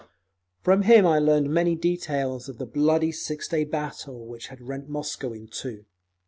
From him I learned many details of the bloody six day battle which had rent Moscow in two.